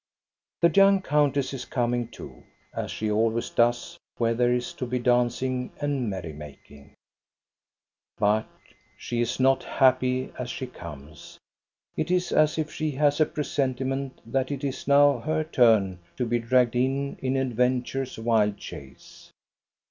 The young countess is coming too, as she always does where there is to be dancing and merry making. But she is not happy as she comes. It is as if she has a presentiment that it is now her turn to be dragged in in adventure's wild chase.